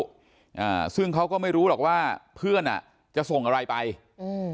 อ่าซึ่งเขาก็ไม่รู้หรอกว่าเพื่อนอ่ะจะส่งอะไรไปอืม